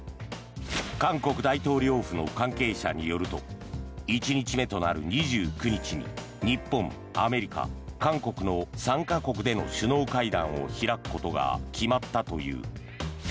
韓国大統領府の関係者によると１日目となる２９日に日本、アメリカ、韓国の３か国での首脳会談を開くことが決まったという。